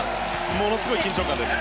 ものすごい緊張感です。